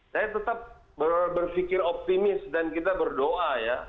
saya tetap berpikir optimis dan kita berdoa ya